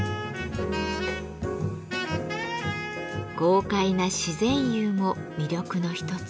豪快な自然釉も魅力の一つ。